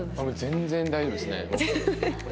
全然大丈夫ですね。